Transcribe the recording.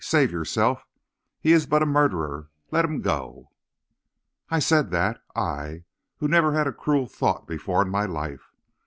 Save yourself; he is but a murderer; let him go.' "I said that; I who never had a cruel thought before in my life.